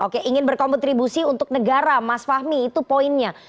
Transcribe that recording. oke ingin berkontribusi untuk negara mas fahmi itu poinnya